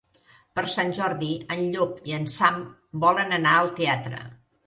Per Sant Jordi en Llop i en Sam volen anar al teatre.